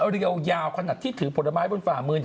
เรียวยาวขนาดที่ถือผลไม้บนฝ่ามือ